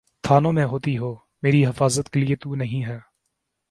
تھانوں میں ہوتی ہو، میری حفاظت کے لیے تو نہیں ہے۔